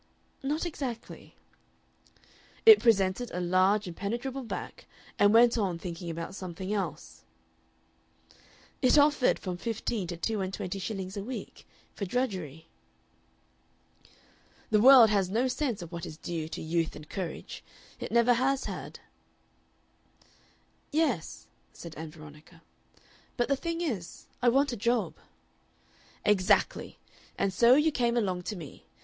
"Not exactly." "It presented a large impenetrable back, and went on thinking about something else." "It offered from fifteen to two and twenty shillings a week for drudgery." "The world has no sense of what is due to youth and courage. It never has had." "Yes," said Ann Veronica. "But the thing is, I want a job." "Exactly! And so you came along to me.